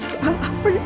apa ini pak